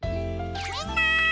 みんな！